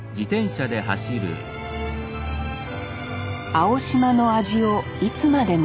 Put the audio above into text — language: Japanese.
青島の味をいつまでも。